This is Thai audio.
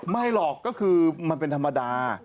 ไม่หรอกก็คือมันเป็นธรรมดา